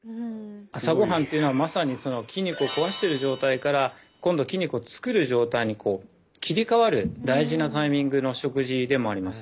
朝ごはんっていうのはまさにその筋肉を壊してる状態から今度筋肉を作る状態に切り替わる大事なタイミングの食事でもあります。